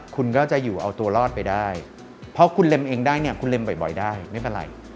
คุณก็จะอยู่เอาตัวรอดไปได้เพราะคุณเล็มเองได้เนี่ยคุณเล็มบ่อยได้ไม่เป็นไร